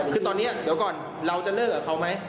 คือตอนนี้เดี๋ยวก่อนเราจะเลิกกับเขาไหม